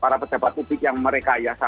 para pejabat publik yang merekayasa